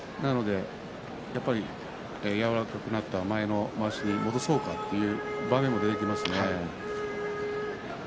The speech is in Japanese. やはり柔らかくなった前のまわしに戻そうかという場合が出てきますね。